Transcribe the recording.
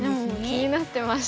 気になってました。